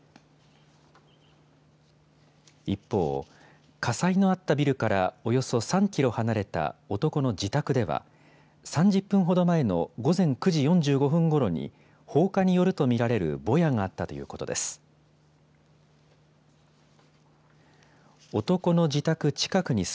一方、火災のあったビルからおよそ３キロ離れた男の自宅では、３０分ほど前の午前９時４５分ごろに、放火によると見られるぼやがあったということです。